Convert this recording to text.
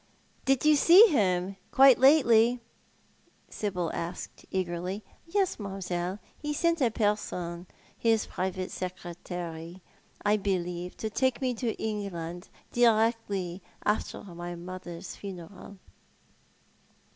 " Did you see him — quite lately ?" Sibyl asked, eagerly. •'Yes, mam'selle. He sent a person — his private secretary, I believe — to take me to England directly after my mother's funeral."